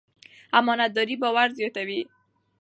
امانتداري باور زیاتوي.